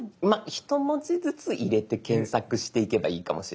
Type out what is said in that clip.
一文字ずつ入れて検索していけばいいかもしれないです。